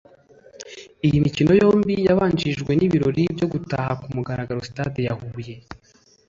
Iyi mikino yombi yabanjirijwe n’ibirori byo gutaha ku mugaragaro Stade ya Huye